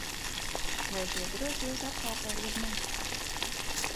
Vai es iederos jūsu apkalpē jeb ne?